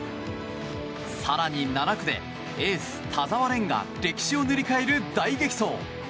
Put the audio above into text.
更に７区でエース、田澤廉が歴史を塗り替える大激走。